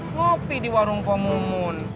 ngopi di warung pemumun